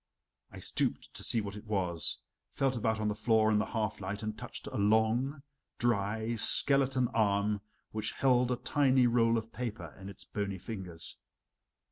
I stooped to see what it was, felt about on the floor in the half light, and touched a long, dry, skeleton arm which held a tiny roll of paper in its bony fingers.